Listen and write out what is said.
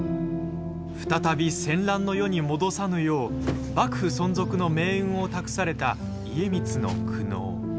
再び戦乱の世に戻さぬよう幕府存続の命運を託された家光の苦悩。